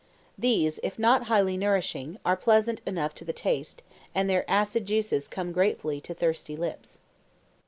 These, if not highly nourishing, are pleasant enough to the taste, and their acid juices come gratefully to thirsty lips.